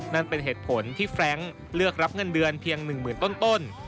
นั่นเป็นเหตุผลที่แฟรงค์เลือกรับเงินเดือนเพียง๑๐๐๐ต้น